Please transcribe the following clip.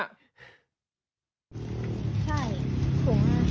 ใช่